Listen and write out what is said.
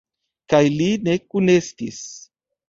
Kaj li ne kunestis.